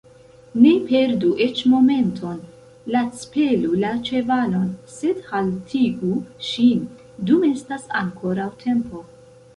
Ne perdu eĉ momenton, lacpelu la ĉevalon, sed haltigu ŝin, dum estas ankoraŭ tempo!